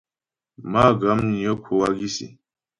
Má'a Guamnyə kwə wágisî.